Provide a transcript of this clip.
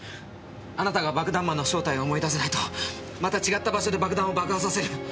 あなたが爆弾魔の正体を思い出さないとまた違った場所で爆弾を爆破させる。